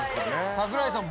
櫻井さん。